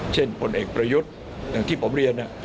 พลเอกประยุทธ์อย่างที่ผมเรียน